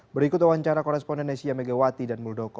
berikut wawancara koresponden nesya megawati dan muldoko